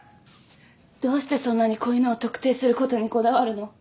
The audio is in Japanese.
どうしてそんなに子犬を特定することにこだわるの？